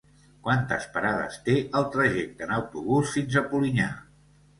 Quantes parades té el trajecte en autobús fins a Polinyà?